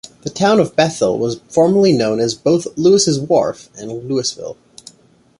The town of Bethel was formerly known as both Lewis' Wharf and Lewisville.